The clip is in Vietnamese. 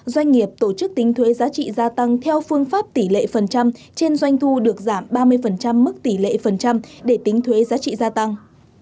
doanh nghiệp tổ chức tính thuế giá trị gia tăng theo phương pháp tỷ lệ phần trăm trên doanh thu được giảm ba mươi mức tỷ lệ phần trăm để tính thuế giá trị gia tăng